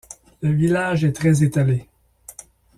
Le village est très étalé.